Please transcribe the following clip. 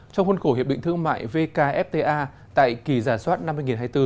trong khuôn khổ hiệp định thương mại vkfta tại kỳ giả soát năm hai nghìn hai mươi bốn